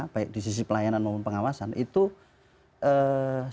baik di sisi pelayanan maupun pengawasan itu sudah sekarang sudah kaya gitu ya pak